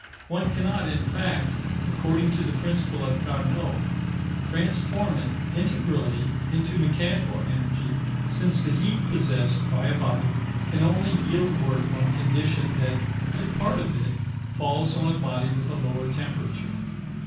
One cannot, in fact, according to the principle of Carnot, transform it integrally into mechanical energy, since the heat possessed by a body can only yield work on condition that a part of it falls on a body with a lower temperature.